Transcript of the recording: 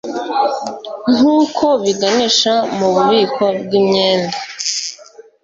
Nkuko biganisha mu bubiko bwimyenda